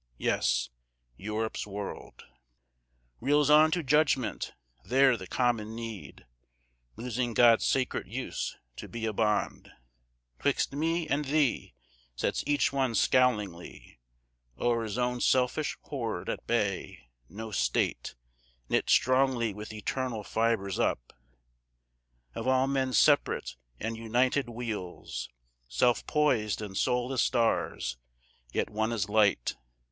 Yes, Europe's world Reels on to judgment; there the common need, Losing God's sacred use, to be a bond 'Twixt Me and Thee, sets each one scowlingly O'er his own selfish hoard at bay; no state, Knit strongly with eternal fibres up Of all men's separate and united weals, Self poised and sole as stars, yet one as light.